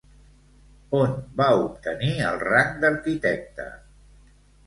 On va obtenir el rang d'arquitecte?